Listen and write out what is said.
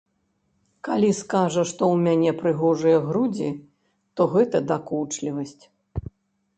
Калі скажа, што ў мяне прыгожыя грудзі, то гэта дакучлівасць.